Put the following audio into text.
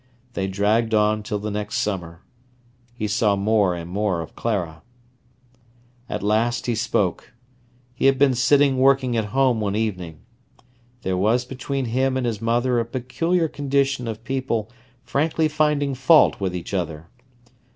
They dragged on till the next summer. He saw more and more of Clara. At last he spoke. He had been sitting working at home one evening. There was between him and his mother a peculiar condition of people frankly finding fault with each other.